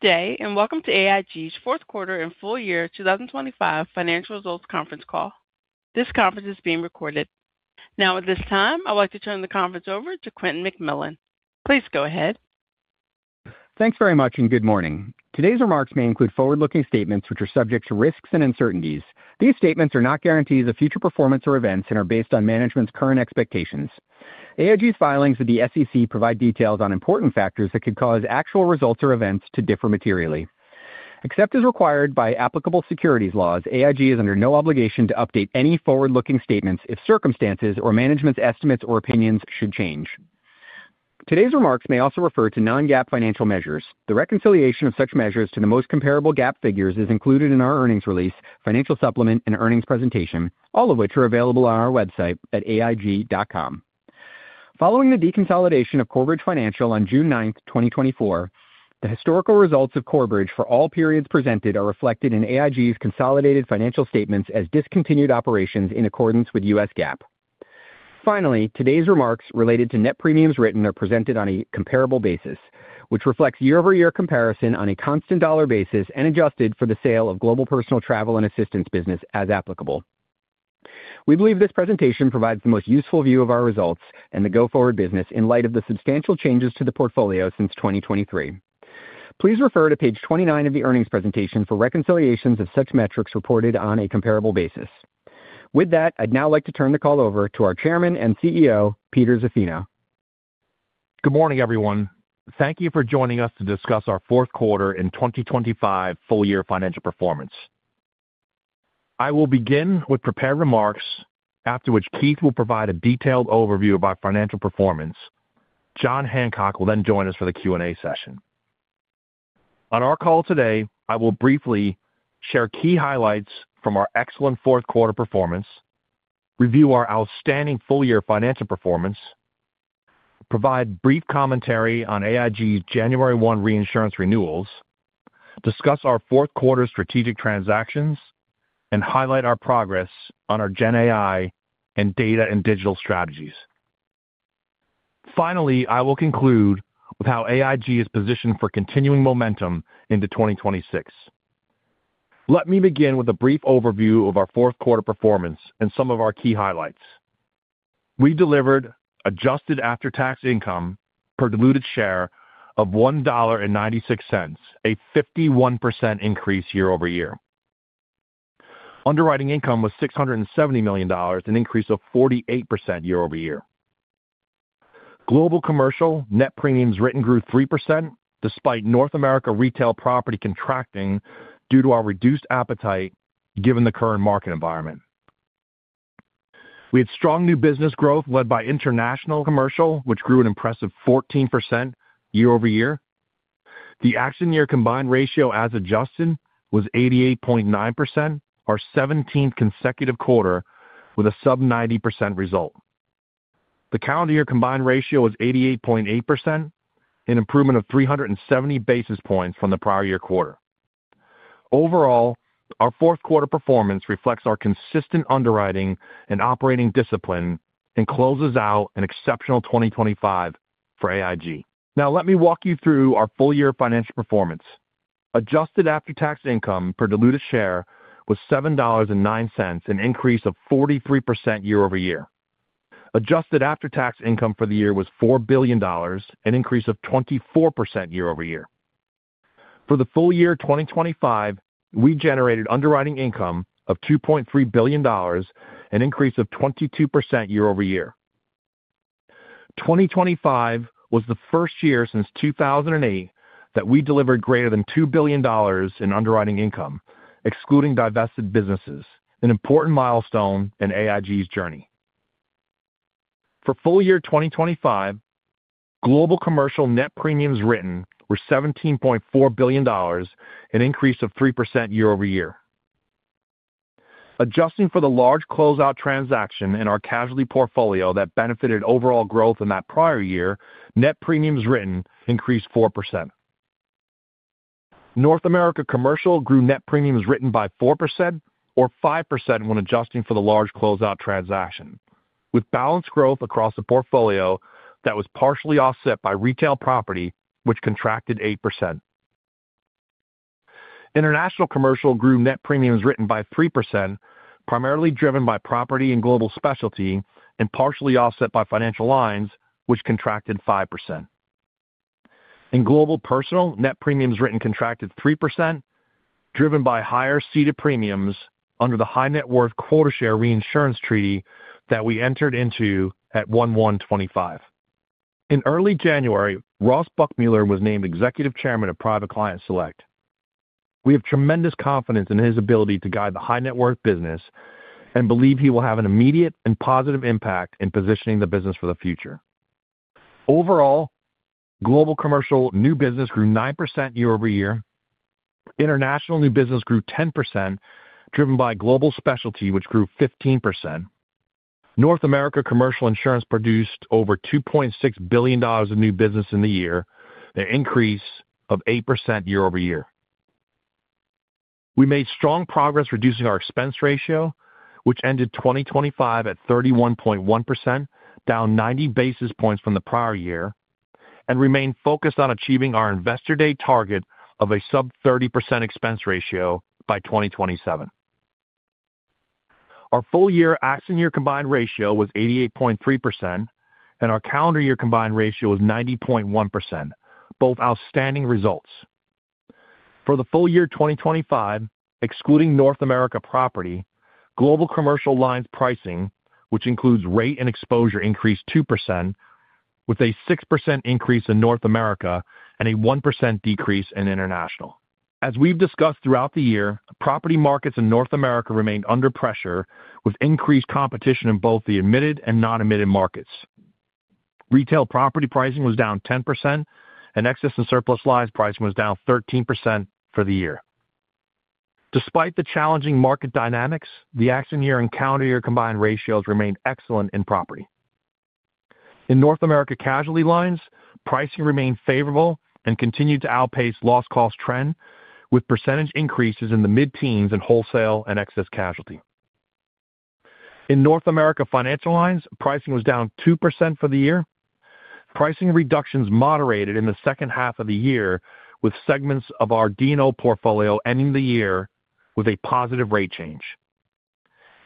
day, and welcome to AIG's Q4 and full year 2025 financial results conference call. This conference is being recorded. Now, at this time, I'd like to turn the conference over to Quentin McMillan. Please go ahead. Thanks very much, and good morning. Today's remarks may include forward-looking statements, which are subject to risks and uncertainties. These statements are not guarantees of future performance or events and are based on management's current expectations. AIG's filings with the SEC provide details on important factors that could cause actual results or events to differ materially. Except as required by applicable securities laws, AIG is under no obligation to update any forward-looking statements if circumstances or management's estimates or opinions should change. Today's remarks may also refer to non-GAAP financial measures. The reconciliation of such measures to the most comparable GAAP figures is included in our earnings release, financial supplement, and earnings presentation, all of which are available on our website at aig.com. Following the deconsolidation of Corebridge Financial on June 9, 2024, the historical results of Corebridge for all periods presented are reflected in AIG's consolidated financial statements as discontinued operations in accordance with U.S. GAAP. Finally, today's remarks related to net premiums written are presented on a comparable basis, which reflects year-over-year comparison on a constant dollar basis and adjusted for the sale of Global Personal Travel and Assistance business as applicable. We believe this presentation provides the most useful view of our results and the go-forward business in light of the substantial changes to the portfolio since 2023. Please refer to page 29 of the earnings presentation for reconciliations of such metrics reported on a comparable basis. With that, I'd now like to turn the call over to our Chairman and CEO, Peter Zaffino. Good morning, everyone. Thank you for joining us to discuss our Q4 in 2025 full year financial performance. I will begin with prepared remarks, after which Keith will provide a detailed overview of our financial performance. Jon Hancock will then join us for the Q&A session. On our call today, I will briefly share key highlights from our excellent Q4 performance, review our outstanding full year financial performance, provide brief commentary on AIG's January 1 reinsurance renewals, discuss our Q4 strategic transactions, and highlight our progress on our GenAI and data and digital strategies. Finally, I will conclude with how AIG is positioned for continuing momentum into 2026. Let me begin with a brief overview of our Q4 performance and some of our key highlights. We delivered adjusted after-tax income per diluted share of $1.96, a 51% increase year-over-year. Underwriting income was $670 million, an increase of 48% year-over-year. Global commercial net premiums written grew 3%, despite North America Retail Property contracting due to our reduced appetite given the current market environment. We had strong new business growth led by International Commercial, which grew an impressive 14% year-over-year. The accident year combined ratio, as adjusted, was 88.9%, our 17th consecutive quarter with a sub-90% result. The calendar year combined ratio was 88.8%, an improvement of 370 basis points from the prior year quarter. Overall, our Q4 performance reflects our consistent underwriting and operating discipline and closes out an exceptional 2025 for AIG. Now, let me walk you through our full-year financial performance. Adjusted after-tax income per diluted share was $7.09, an increase of 43% year-over-year. Adjusted after-tax income for the year was $4 billion, an increase of 24% year-over-year. For the full year 2025, we generated underwriting income of $2.3 billion, an increase of 22% year-over-year. 2025 was the first year since 2008 that we delivered greater than $2 billion in underwriting income, excluding divested businesses, an important milestone in AIG's journey. For full year 2025, Global Commercial net premiums written were $17.4 billion, an increase of 3% year-over-year. Adjusting for the large closeout transaction in our Casualty portfolio that benefited overall growth in that prior year, net premiums written increased 4%. North America Commercial grew net premiums written by 4% or 5% when adjusting for the large closeout transaction, with balanced growth across the portfolio that was partially offset by Retail Property, which contracted 8%. International Commercial grew net premiums written by 3%, primarily driven by Property and Global Specialty and partially offset by Financial Lines, which contracted 5%. In Global Personal, net premiums written contracted 3%, driven by higher ceded premiums under the High Net Worth quota share reinsurance treaty that we entered into at 1/1/2025. In early January, Ross Buchmueller was named Executive Chairman of Private Client Select. We have tremendous confidence in his ability to guide the High Net Worth business and believe he will have an immediate and positive impact in positioning the business for the future. Overall, Global Commercial new business grew 9% year-over-year. International new business grew 10%, driven by Global Specialty, which grew 15%. North America Commercial Insurance produced over $2.6 billion of new business in the year, an increase of 8% year-over-year. We made strong progress reducing our expense ratio, which ended 2025 at 31.1%, down 90 basis points from the prior year, and remained focused on achieving our Investor Day target of a sub 30% expense ratio by 2027. Our full year accident year combined ratio was 88.3%, and our calendar year combined ratio was 90.1%, both outstanding results. For the full year 2025, excluding North America property, Global Commercial lines pricing, which includes rate and exposure, increased 2%, with a 6% increase in North America and a 1% decrease in international. As we've discussed throughout the year, property markets in North America remained under pressure, with increased competition in both the admitted and non-admitted markets. Retail property pricing was down 10%, and excess and surplus lines pricing was down 13% for the year. Despite the challenging market dynamics, the accident year and calendar year combined ratios remained excellent in property. In North America casualty lines, pricing remained favorable and continued to outpace loss cost trend, with percentage increases in the mid-teens in wholesale and excess casualty. In North America Financial Lines, pricing was down 2% for the year. Pricing reductions moderated in the second half of the year, with segments of our D&O portfolio ending the year with a positive rate change.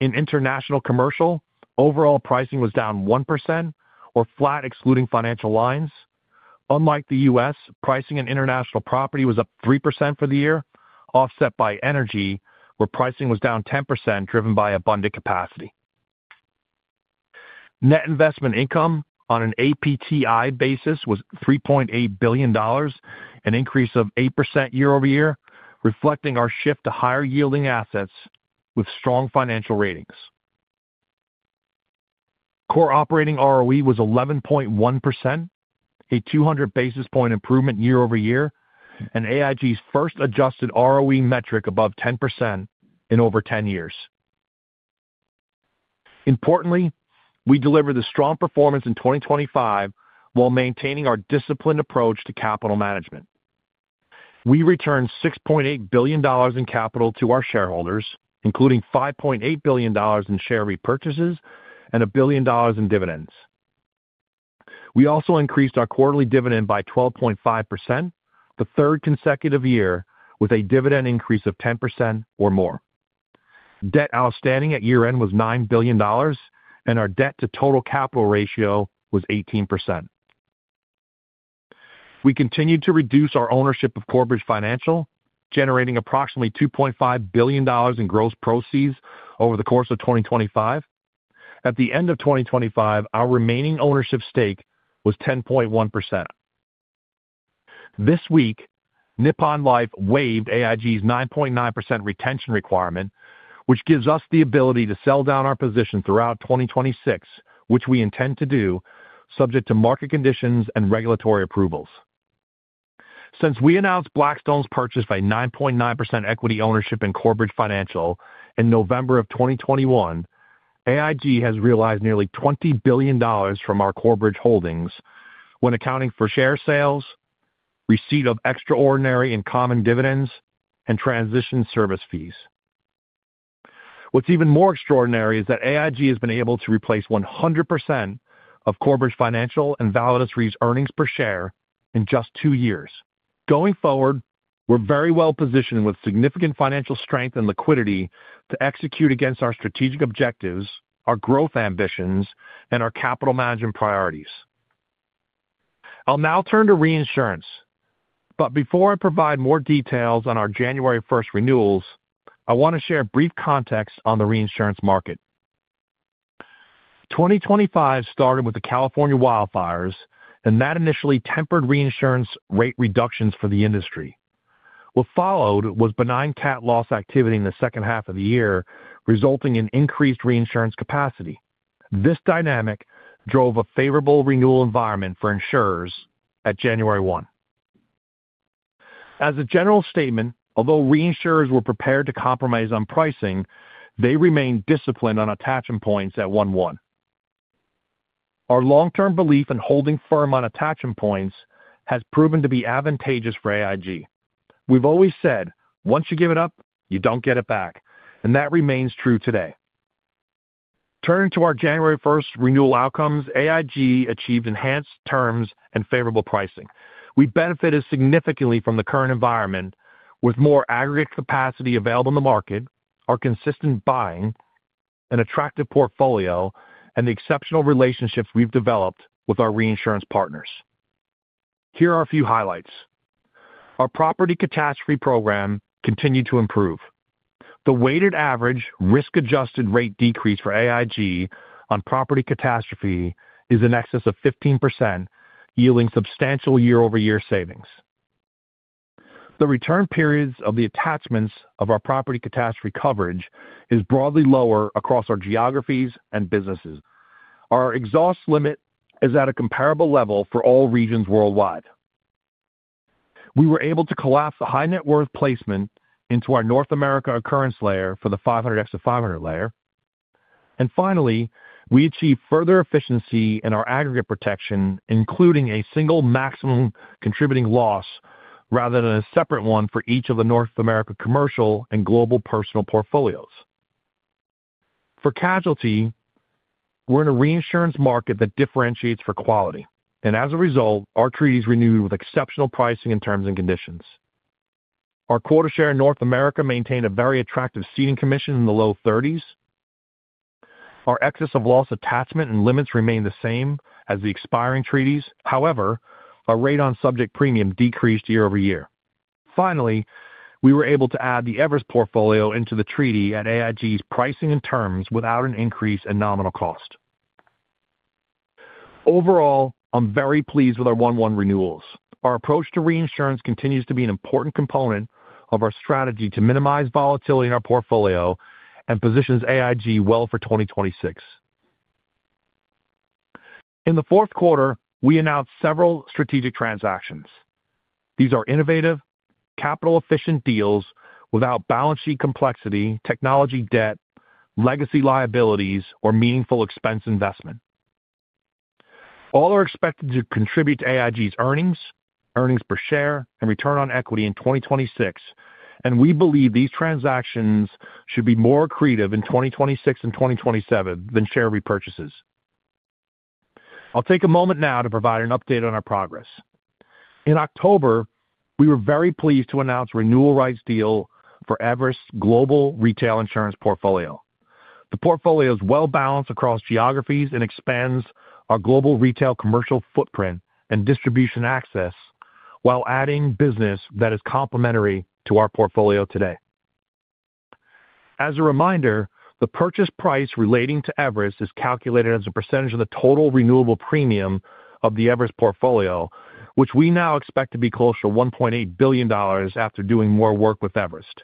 In International Commercial, overall pricing was down 1% or flat, excluding Financial Lines. Unlike the U.S., pricing in international property was up 3% for the year, offset by Energy, where pricing was down 10%, driven by abundant capacity. Net investment income on an APTI basis was $3.8 billion, an increase of 8% year-over-year, reflecting our shift to higher-yielding assets with strong financial ratings. Core operating ROE was 11.1%, a 200 basis point improvement year-over-year, and AIG's first adjusted ROE metric above 10% in over 10 years. Importantly, we delivered a strong performance in 2025 while maintaining our disciplined approach to capital management. We returned $6.8 billion in capital to our shareholders, including $5.8 billion in share repurchases and $1 billion in dividends. We also increased our quarterly dividend by 12.5%, the third consecutive year with a dividend increase of 10% or more. Debt outstanding at year-end was $9 billion, and our debt to total capital ratio was 18%. We continued to reduce our ownership of Corebridge Financial, generating approximately $2.5 billion in gross proceeds over the course of 2025. At the end of 2025, our remaining ownership stake was 10.1%. This week, Nippon Life waived AIG's 9.9% retention requirement, which gives us the ability to sell down our position throughout 2026, which we intend to do, subject to market conditions and regulatory approvals. Since we announced Blackstone's purchase by 9.9% equity ownership in Corebridge Financial in November 2021, AIG has realized nearly $20 billion from our Corebridge holdings when accounting for share sales, receipt of extraordinary and common dividends, and transition service fees. What's even more extraordinary is that AIG has been able to replace 100% of Corebridge Financial and Validus Re's earnings per share in just two years. Going forward, we're very well-positioned with significant financial strength and liquidity to execute against our strategic objectives, our growth ambitions, and our capital management priorities. I'll now turn to reinsurance, but before I provide more details on our January first renewals, I want to share a brief context on the reinsurance market. 2025 started with the California wildfires, and that initially tempered reinsurance rate reductions for the industry. What followed was benign cat loss activity in the second half of the year, resulting in increased reinsurance capacity. This dynamic drove a favorable renewal environment for insurers at January 1. As a general statement, although reinsurers were prepared to compromise on pricing, they remained disciplined on attachment points at 1/1. Our long-term belief in holding firm on attachment points has proven to be advantageous for AIG. We've always said, "Once you give it up, you don't get it back," and that remains true today. Turning to our January first renewal outcomes, AIG achieved enhanced terms and favorable pricing. We benefited significantly from the current environment with more aggregate capacity available in the market, our consistent buying, an attractive portfolio, and the exceptional relationships we've developed with our reinsurance partners. Here are a few highlights: Our property catastrophe program continued to improve. The weighted average risk-adjusted rate decrease for AIG on property catastrophe is in excess of 15%, yielding substantial year-over-year savings. The return periods of the attachments of our property catastrophe coverage is broadly lower across our geographies and businesses. Our exhaust limit is at a comparable level for all regions worldwide. We were able to collapse the High Net Worth placement into our North America occurrence layer for the 500X to 500 layer. Finally, we achieved further efficiency in our aggregate protection, including a single maximum contributing loss, rather than a separate one for each of the North America commercial and global personal portfolios. For casualty, we're in a reinsurance market that differentiates for quality, and as a result, our treaty is renewed with exceptional pricing and terms and conditions. Our quota share in North America maintained a very attractive ceding commission in the low thirties. Our excess of loss, attachment, and limits remained the same as the expiring treaties. However, our rate on subject premium decreased year-over-year. Finally, we were able to add the Everest portfolio into the treaty at AIG's pricing and terms without an increase in nominal cost. Overall, I'm very pleased with our 1/1 renewals. Our approach to reinsurance continues to be an important component of our strategy to minimize volatility in our portfolio and positions AIG well for 2026. In the Q4, we announced several strategic transactions. These are innovative, capital-efficient deals without balance sheet complexity, technology debt, legacy liabilities, or meaningful expense investment. All are expected to contribute to AIG's earnings, earnings per share, and return on equity in 2026, and we believe these transactions should be more accretive in 2026 and 2027 than share repurchases. I'll take a moment now to provide an update on our progress. In October, we were very pleased to announce renewal rights deal for Everest's Global Retail Insurance portfolio. The portfolio is well-balanced across geographies and expands our global retail commercial footprint and distribution access while adding business that is complementary to our portfolio today. As a reminder, the purchase price relating to Everest is calculated as a percentage of the total renewable premium of the Everest portfolio, which we now expect to be close to $1.8 billion after doing more work with Everest.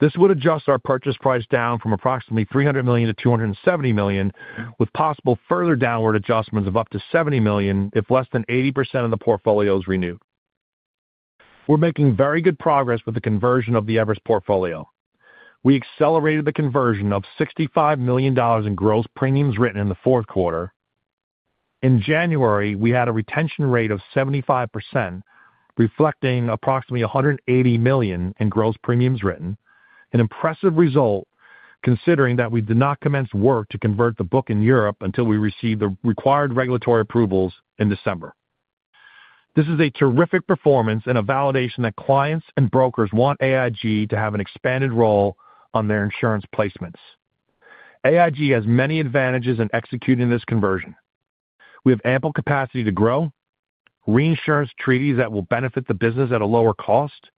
This would adjust our purchase price down from approximately $300 million to $270 million, with possible further downward adjustments of up to $70 million, if less than 80% of the portfolio is renewed. We're making very good progress with the conversion of the Everest portfolio. We accelerated the conversion of $65 million in gross premiums written in the Q4. In January, we had a retention rate of 75%, reflecting approximately $180 million in gross premiums written. An impressive result, considering that we did not commence work to convert the book in Europe until we received the required regulatory approvals in December. This is a terrific performance and a validation that clients and brokers want AIG to have an expanded role on their insurance placements. AIG has many advantages in executing this conversion. We have ample capacity to grow, reinsurance treaties that will benefit the business at a lower cost,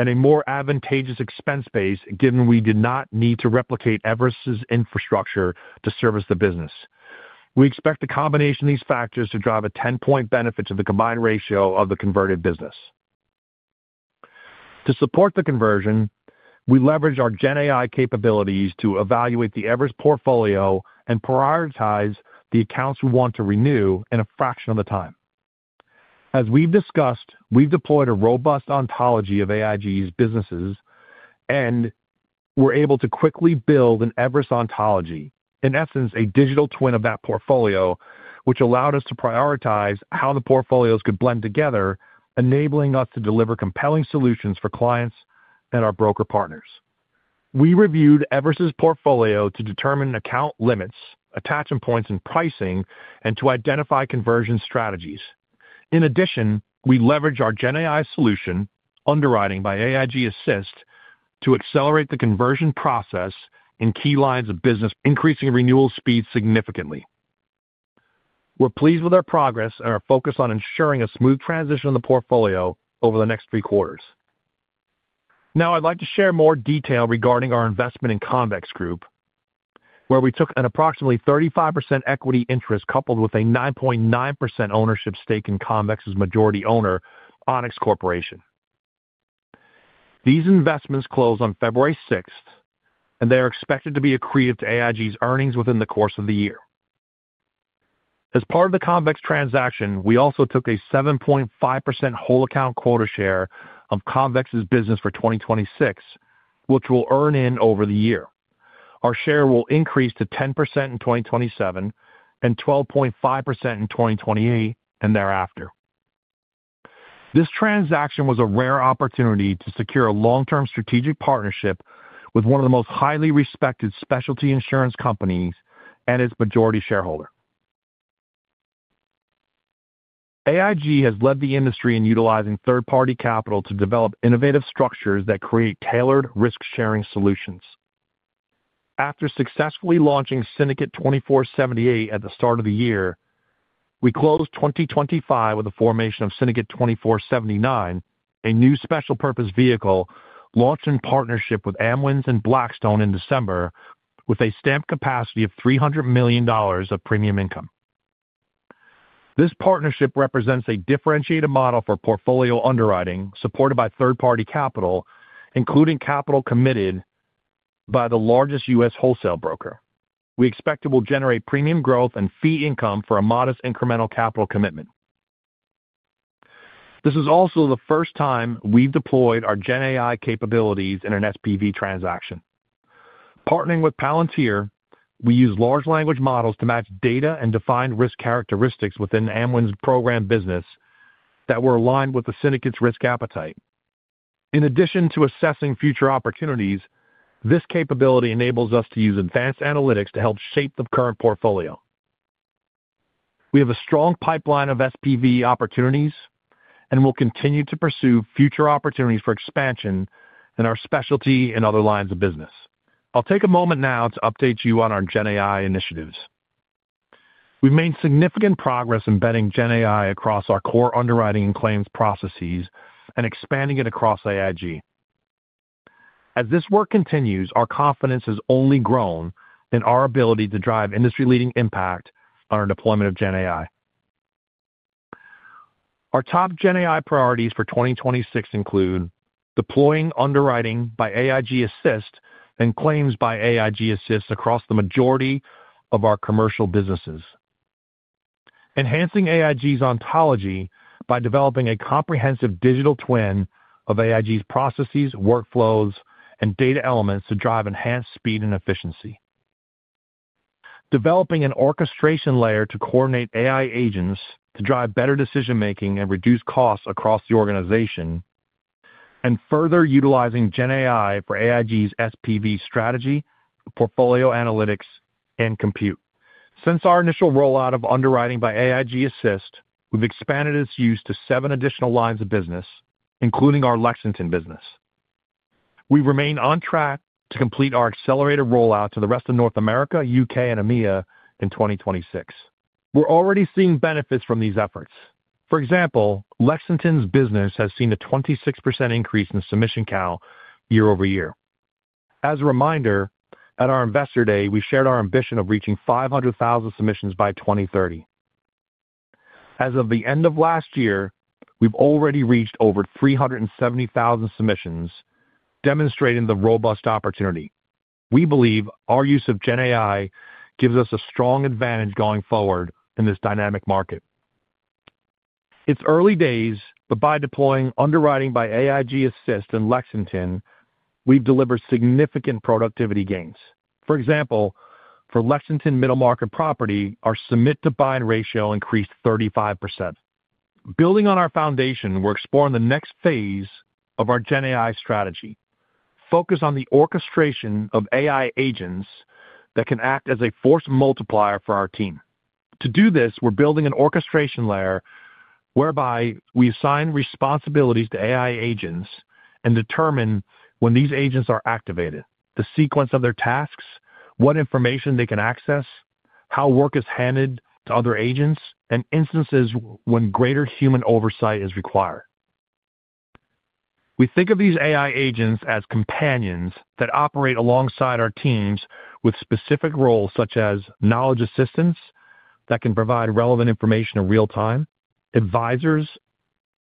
and a more advantageous expense base, given we did not need to replicate Everest's infrastructure to service the business. We expect a combination of these factors to drive a 10-point benefit to the combined ratio of the converted business. To support the conversion, we leveraged our GenAI capabilities to evaluate the Everest portfolio and prioritize the accounts we want to renew in a fraction of the time. As we've discussed, we've deployed a robust ontology of AIG's businesses, and we're able to quickly build an Everest ontology. In essence, a digital twin of that portfolio, which allowed us to prioritize how the portfolios could blend together, enabling us to deliver compelling solutions for clients and our broker partners. We reviewed Everest's portfolio to determine account limits, attachment points, and pricing, and to identify conversion strategies. In addition, we leveraged our GenAI solution, Underwriting by AIG Assist, to accelerate the conversion process in key lines of business, increasing renewal speed significantly. We're pleased with our progress and are focused on ensuring a smooth transition of the portfolio over the next Q3. Now, I'd like to share more detail regarding our investment in Convex Group, where we took an approximately 35% equity interest, coupled with a 9.9% ownership stake in Convex's majority owner, Onex Corporation. These investments closed on February 6, and they are expected to be accretive to AIG's earnings within the course of the year. As part of the Convex transaction, we also took a 7.5% whole account quota share of Convex's business for 2026, which we'll earn in over the year. Our share will increase to 10% in 2027 and 12.5% in 2028 and thereafter. This transaction was a rare opportunity to secure a long-term strategic partnership with one of the most highly respected specialty insurance companies and its majority shareholder. AIG has led the industry in utilizing third-party capital to develop innovative structures that create tailored risk-sharing solutions. After successfully launching Syndicate 2478 at the start of the year, we closed 2025 with the formation of Syndicate 2479, a new special-purpose vehicle launched in partnership with Amwins and Blackstone in December, with a stamp capacity of $300 million of premium income. This partnership represents a differentiated model for portfolio underwriting, supported by third-party capital, including capital committed by the largest U.S. wholesale broker. We expect it will generate premium growth and fee income for a modest incremental capital commitment.... This is also the first time we've deployed our GenAI capabilities in an SPV transaction. Partnering with Palantir, we use large language models to match data and define risk characteristics within Amwins program business that were aligned with the syndicate's risk appetite. In addition to assessing future opportunities, this capability enables us to use advanced analytics to help shape the current portfolio. We have a strong pipeline of SPV opportunities, and we'll continue to pursue future opportunities for expansion in our specialty and other lines of business. I'll take a moment now to update you on our GenAI initiatives. We've made significant progress embedding GenAI across our core underwriting and claims processes and expanding it across AIG. As this work continues, our confidence has only grown in our ability to drive industry-leading impact on our deployment of GenAI. Our top GenAI priorities for 2026 include: deploying Underwriting by AIG Assist and Claims by AIG Assist across the majority of our commercial businesses; enhancing AIG's ontology by developing a comprehensive digital twin of AIG's processes, workflows, and data elements to drive enhanced speed and efficiency; developing an orchestration layer to coordinate AI agents to drive better decision-making and reduce costs across the organization; and further utilizing GenAI for AIG's SPV strategy, portfolio analytics, and compute. Since our initial rollout of Underwriting by AIG Assist, we've expanded its use to 7 additional lines of business, including our Lexington business. We remain on track to complete our accelerated rollout to the rest of North America, UK, and EMEA in 2026. We're already seeing benefits from these efforts. For example, Lexington's business has seen a 26% increase in submission count year-over-year. As a reminder, at our Investor Day, we shared our ambition of reaching 500,000 submissions by 2030. As of the end of last year, we've already reached over 370,000 submissions, demonstrating the robust opportunity. We believe our use of GenAI gives us a strong advantage going forward in this dynamic market. It's early days, but by deploying Underwriting by AIG Assist in Lexington, we've delivered significant productivity gains. For example, for Lexington Middle Market Property, our submit to bind ratio increased 35%. Building on our foundation, we're exploring the next phase of our GenAI strategy. Focus on the orchestration of AI agents that can act as a force multiplier for our team. To do this, we're building an orchestration layer whereby we assign responsibilities to AI agents and determine when these agents are activated, the sequence of their tasks, what information they can access, how work is handed to other agents, and instances when greater human oversight is required. We think of these AI agents as companions that operate alongside our teams with specific roles, such as knowledge assistants, that can provide relevant information in real time, advisors,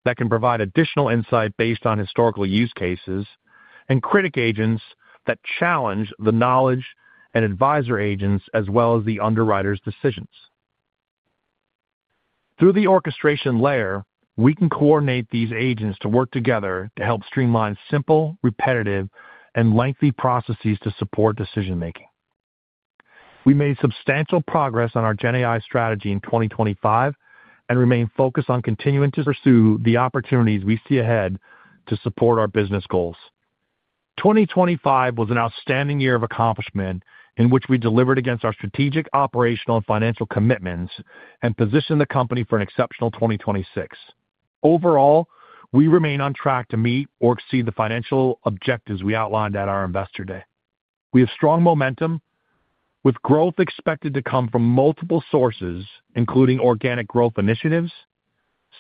that can provide additional insight based on historical use cases, and critic agents that challenge the knowledge and advisor agents, as well as the underwriter's decisions. Through the orchestration layer, we can coordinate these agents to work together to help streamline simple, repetitive, and lengthy processes to support decision-making. We made substantial progress on our GenAI strategy in 2025 and remain focused on continuing to pursue the opportunities we see ahead to support our business goals. 2025 was an outstanding year of accomplishment in which we delivered against our strategic, operational, and financial commitments and positioned the company for an exceptional 2026. Overall, we remain on track to meet or exceed the financial objectives we outlined at our Investor Day. We have strong momentum, with growth expected to come from multiple sources, including organic growth initiatives,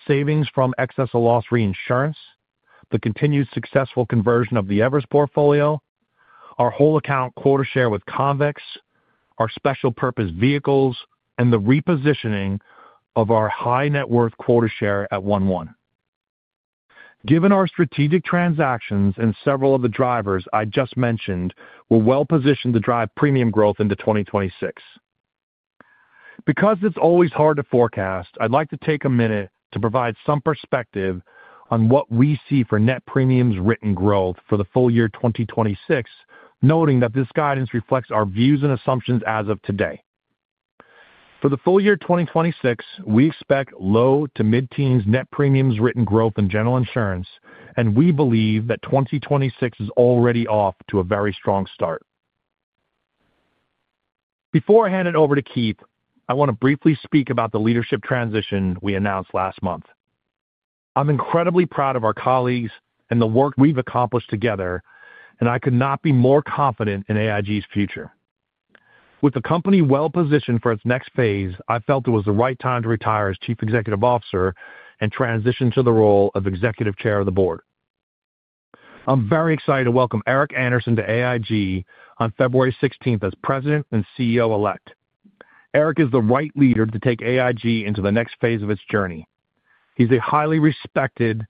savings from excess of loss reinsurance, the continued successful conversion of the Everest portfolio, our whole account quota share with Convex, our special purpose vehicles, and the repositioning of our High Net Worth quota share at 11. Given our strategic transactions and several of the drivers I just mentioned, we're well positioned to drive premium growth into 2026. Because it's always hard to forecast, I'd like to take a minute to provide some perspective on what we see for net premiums written growth for the full year 2026, noting that this guidance reflects our views and assumptions as of today. For the full year 2026, we expect low- to mid-teens net premiums written growth in General Insurance, and we believe that 2026 is already off to a very strong start. Before I hand it over to Keith, I want to briefly speak about the leadership transition we announced last month. I'm incredibly proud of our colleagues and the work we've accomplished together, and I could not be more confident in AIG's future. With the company well positioned for its next phase, I felt it was the right time to retire as Chief Executive Officer and transition to the role of Executive Chair of the Board. I'm very excited to welcome Eric Andersen to AIG on February sixteenth as President and CEO Elect. Eric is the right leader to take AIG into the next phase of its journey. He's a highly respected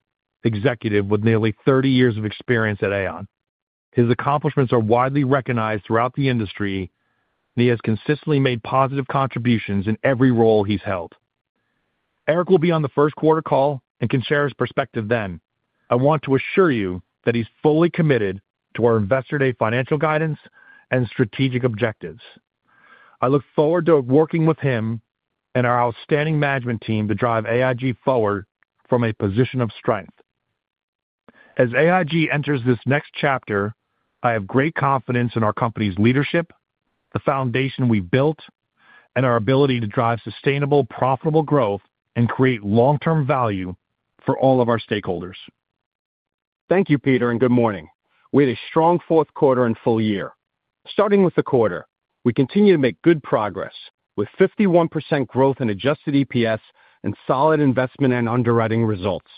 executive with nearly 30 years of experience at Aon.... His accomplishments are widely recognized throughout the industry, and he has consistently made positive contributions in every role he's held. Eric will be on the Q1 call and can share his perspective then. I want to assure you that he's fully committed to our Investor Day financial guidance and strategic objectives. I look forward to working with him and our outstanding management team to drive AIG forward from a position of strength. As AIG enters this next chapter, I have great confidence in our company's leadership, the foundation we've built, and our ability to drive sustainable, profitable growth and create long-term value for all of our stakeholders. Thank you, Peter, and good morning. We had a strong Q4 and full year. Starting with the quarter, we continue to make good progress, with 51% growth in adjusted EPS and solid investment and underwriting results.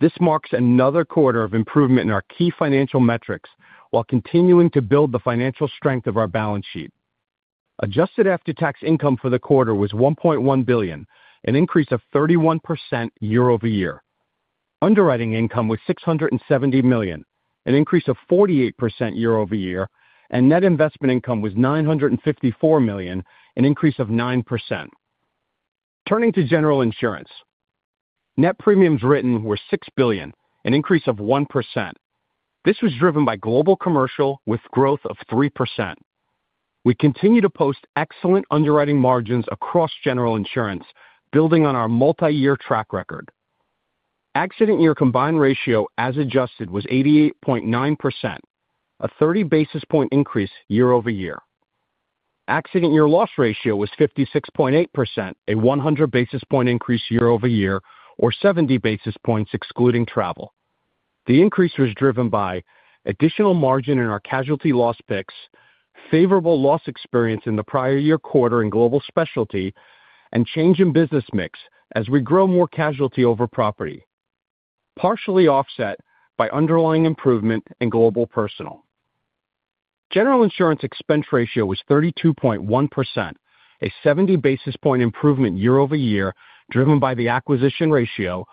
This marks another quarter of improvement in our key financial metrics while continuing to build the financial strength of our balance sheet. Adjusted after-tax income for the quarter was $1.1 billion, an increase of 31% year-over-year. Underwriting income was $670 million, an increase of 48% year-over-year, and net investment income was $954 million, an increase of 9%. Turning to General Insurance. Net premiums written were $6 billion, an increase of 1%. This was driven by Global Commercial, with growth of 3%. We continue to post excellent underwriting margins across General Insurance, building on our multi-year track record. Accident Year Combined Ratio, as adjusted, was 88.9%, a 30 basis point increase year-over-year. Accident year loss ratio was 56.8%, a 100 basis point increase year-over-year, or 70 basis points excluding travel. The increase was driven by additional margin in our casualty loss picks, favorable loss experience in the prior year quarter in global specialty, and change in business mix as we grow more casualty over property, partially offset by underlying improvement in global personal. General insurance expense ratio was 32.1%, a 70 basis point improvement year-over-year, driven by the acquisition ratio,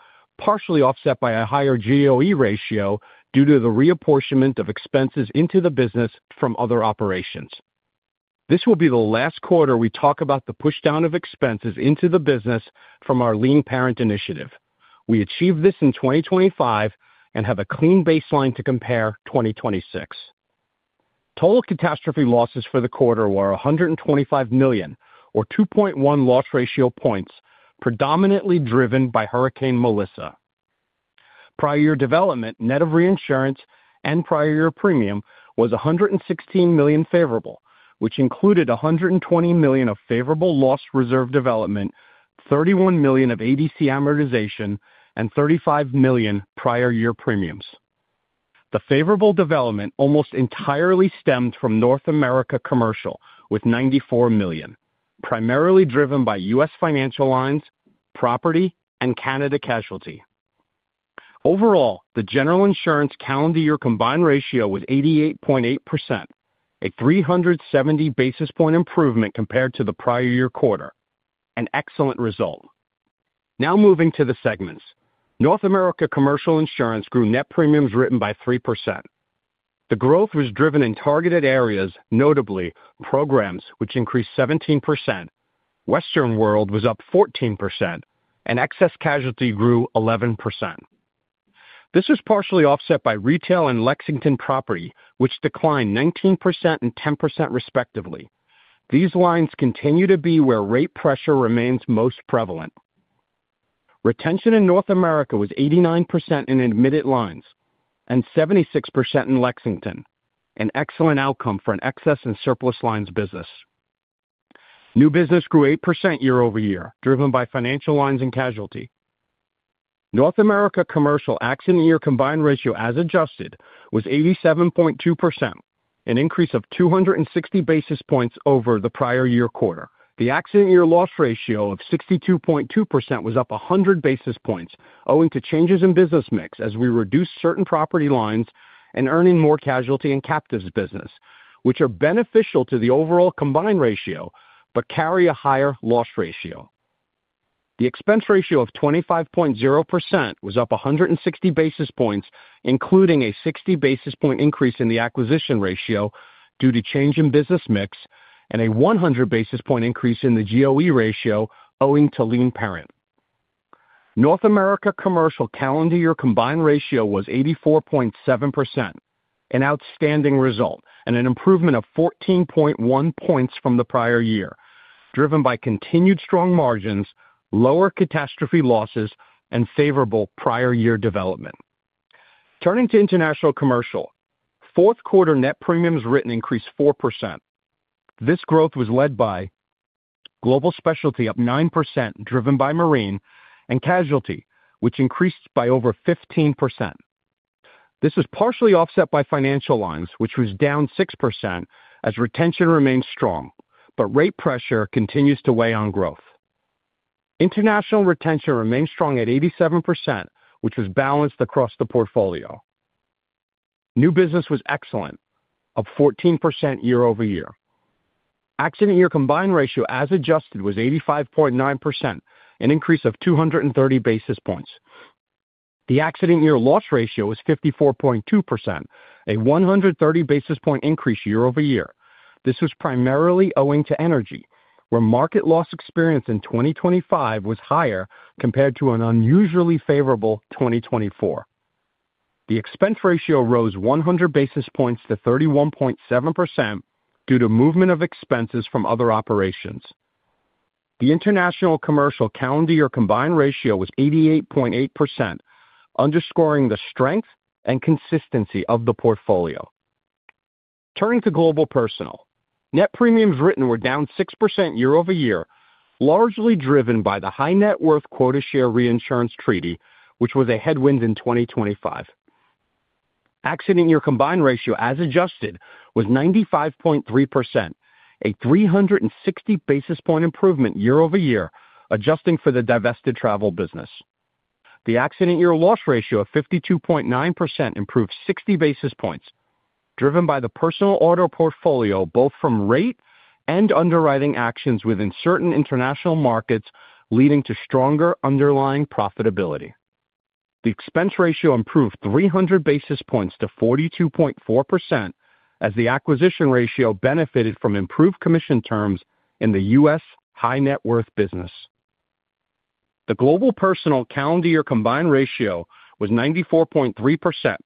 partially offset by a higher GOE ratio due to the reapportionment of expenses into the business from other operations. This will be the last quarter we talk about the pushdown of expenses into the business from our Lean Parent initiative. We achieved this in 2025 and have a clean baseline to compare 2026. Total catastrophe losses for the quarter were $125 million, or 2.1 loss ratio points, predominantly driven by Hurricane Melissa. Prior year development, net of reinsurance and prior year premium, was $116 million favorable, which included $120 million of favorable loss reserve development, $31 million of ADC amortization, and $35 million prior year premiums. The favorable development almost entirely stemmed from North America Commercial, with $94 million, primarily driven by U.S. Financial Lines, Property, and Canada Casualty. Overall, the general insurance calendar year combined ratio was 88.8%, a 370 basis point improvement compared to the prior year quarter. An excellent result! Now moving to the segments. North America Commercial Insurance grew net premiums written by 3%. The growth was driven in targeted areas, notably Programs, which increased 17%, Western World was up 14%, and Excess Casualty grew 11%. This was partially offset by Retail and Lexington Property, which declined 19% and 10%, respectively. These lines continue to be where rate pressure remains most prevalent. Retention in North America was 89% in admitted lines and 76% in Lexington, an excellent outcome for an excess and surplus lines business. New business grew 8% year-over-year, driven by financial lines and casualty. North America Commercial accident year combined ratio, as adjusted, was 87.2%, an increase of 260 basis points over the prior-year quarter. The accident year loss ratio of 62.2% was up 100 basis points, owing to changes in business mix as we reduce certain property lines and earning more casualty and captives business, which are beneficial to the overall combined ratio but carry a higher loss ratio. The expense ratio of 25.0% was up 160 basis points, including a 60 basis point increase in the acquisition ratio due to change in business mix and a 100 basis point increase in the GOE ratio, owing to Lean Parent. North America Commercial calendar year combined ratio was 84.7%, an outstanding result and an improvement of 14.1 points from the prior year, driven by continued strong margins, lower catastrophe losses, and favorable prior year development. Turning to International Commercial, Q4 net premiums written increased 4%. This growth was led by Global Specialty, up 9%, driven by Marine and Casualty, which increased by over 15%. This was partially offset by Financial Lines, which was down 6% as retention remains strong, but rate pressure continues to weigh on growth. International retention remains strong at 87%, which was balanced across the portfolio. New business was excellent, up 14% year-over-year. Accident year combined ratio as adjusted was 85.9%, an increase of 230 basis points. The accident year loss ratio was 54.2%, a 130 basis point increase year-over-year. This was primarily owing to energy, where market loss experience in 2025 was higher compared to an unusually favorable 2024. The expense ratio rose 100 basis points to 31.7% due to movement of expenses from other operations. The International Commercial calendar combined ratio was 88.8%, underscoring the strength and consistency of the portfolio. Turning to Global Personal, net premiums written were down 6% year-over-year, largely driven by the High Net Worth quota share reinsurance treaty, which was a headwind in 2025. Accident year combined ratio, as adjusted, was 95.3%, a 360 basis point improvement year-over-year, adjusting for the divested travel business. The accident year loss ratio of 52.9% improved 60 basis points, driven by the personal auto portfolio, both from rate and underwriting actions within certain international markets, leading to stronger underlying profitability. The expense ratio improved 300 basis points to 42.4%, as the acquisition ratio benefited from improved commission terms in the U.S. High Net Worth business. The global personal calendar year combined ratio was 94.3%,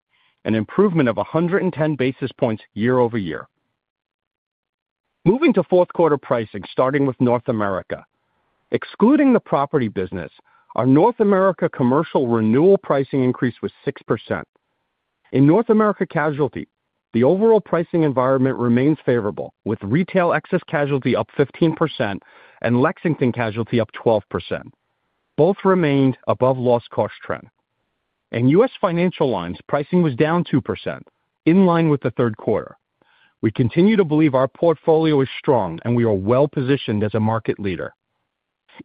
an improvement of 110 basis points year-over-year. Moving to Q4 pricing, starting with North America. Excluding the property business, our North America commercial renewal pricing increase was 6%. In North America casualty, the overall pricing environment remains favorable, with retail excess casualty up 15% and Lexington Casualty up 12%. Both remained above loss cost trend. In U.S. financial lines, pricing was down 2%, in line with the Q3. We continue to believe our portfolio is strong and we are well-positioned as a market leader.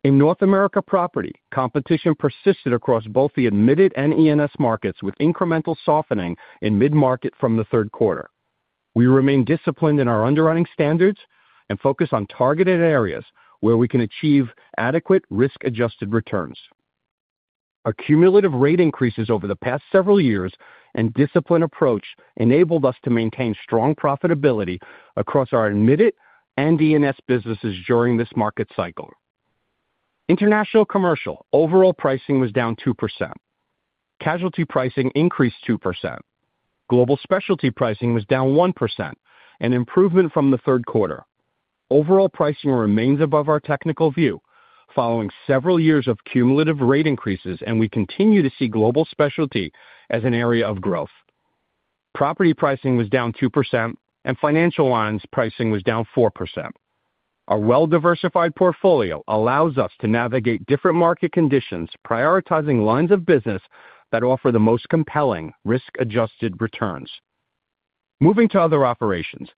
In North America property, competition persisted across both the admitted and E&S markets, with incremental softening in mid-market from the Q3. We remain disciplined in our underwriting standards and focus on targeted areas where we can achieve adequate risk-adjusted returns. Our cumulative rate increases over the past several years and disciplined approach enabled us to maintain strong profitability across our admitted and E&S businesses during this market cycle. International Commercial, overall pricing was down 2%. Casualty pricing increased 2%. Global specialty pricing was down 1%, an improvement from the Q3. Overall, pricing remains above our technical view following several years of cumulative rate increases, and we continue to see Global Specialty as an area of growth. Property pricing was down 2% and financial lines pricing was down 4%. Our well-diversified portfolio allows us to navigate different market conditions, prioritizing lines of business that offer the most compelling risk-adjusted returns. Moving to other operations.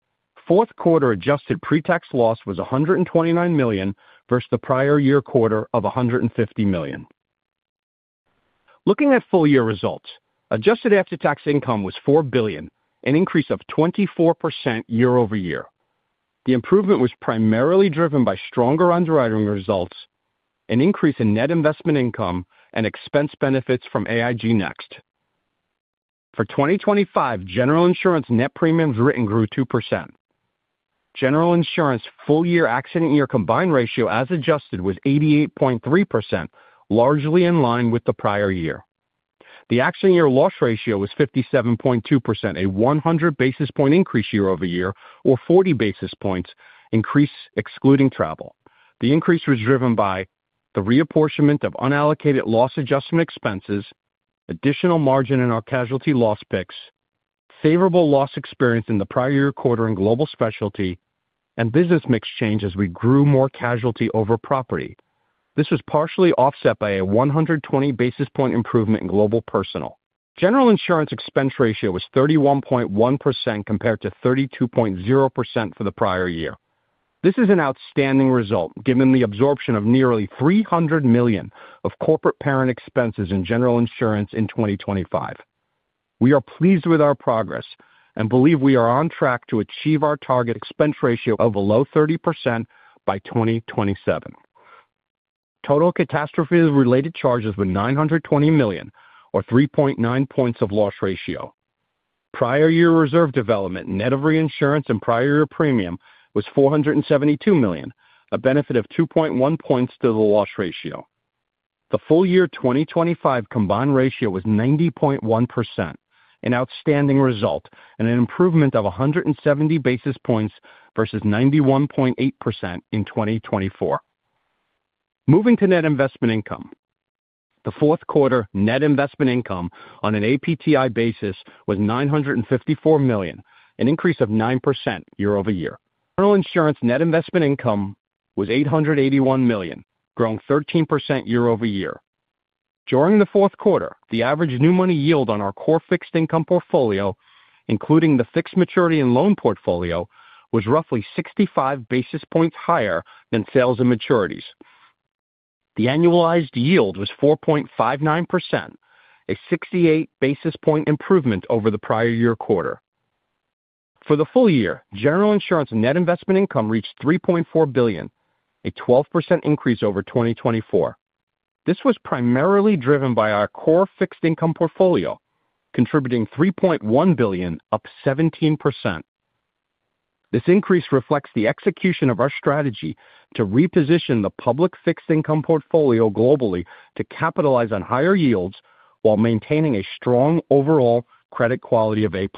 Q4 adjusted pre-tax loss was $129 million, versus the prior year quarter of $150 million. Looking at full-year results, adjusted after-tax income was $4 billion, an increase of 24% year-over-year. The improvement was primarily driven by stronger underwriting results, an increase in net investment income, and expense benefits from AIG Next. For 2025, General Insurance net premiums written grew 2%. General Insurance full-year accident year combined ratio, as adjusted, was 88.3%, largely in line with the prior year. The accident year loss ratio was 57.2%, a 100 basis point increase year-over-year, or 40 basis points increase, excluding travel. The increase was driven by the reapportionment of unallocated loss adjustment expenses, additional margin in our casualty loss picks, favorable loss experience in the prior year quarter in Global Specialty, and business mix change as we grew more casualty over property. This was partially offset by a 120 basis point improvement in Global Personal. General Insurance expense ratio was 31.1%, compared to 32.0% for the prior year. This is an outstanding result, given the absorption of nearly $300 million of corporate parent expenses in General Insurance in 2025. We are pleased with our progress and believe we are on track to achieve our target expense ratio of below 30% by 2027. Total catastrophe-related charges were $920 million or 3.9 points of loss ratio. Prior year reserve development, net of reinsurance and prior year premium, was $472 million, a benefit of 2.1 points to the loss ratio. The full year 2025 combined ratio was 90.1%, an outstanding result and an improvement of 170 basis points versus 91.8% in 2024. Moving to net investment income. The Q4 net investment income on an APTI basis was $954 million, an increase of 9% year-over-year. General Insurance net investment income was $881 million, growing 13% year-over-year. During the Q4, the average new money yield on our core fixed income portfolio, including the fixed maturity and loan portfolio, was roughly 65 basis points higher than sales and maturities. The annualized yield was 4.59%, a 68 basis point improvement over the prior year quarter. For the full year, general insurance net investment income reached $3.4 billion, a 12% increase over 2024. This was primarily driven by our core fixed income portfolio, contributing $3.1 billion, up 17%. This increase reflects the execution of our strategy to reposition the public fixed income portfolio globally to capitalize on higher yields while maintaining a strong overall credit quality of A+.